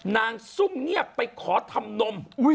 ซุ่มเงียบไปขอทำนม